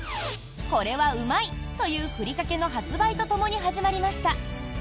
「是はうまい」というふりかけの発売とともに始まりました。